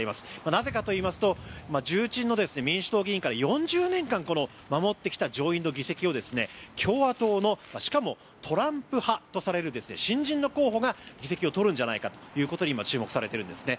なぜかといいますと重鎮の民主党議員から４０年間守ってきた上院の議席を共和党のしかもトランプ派とされる新人の候補が議席を取るんじゃないかということで今、注目されているんですね。